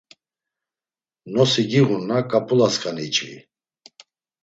Nosi giğunna k̆ap̆ulaskani içvi!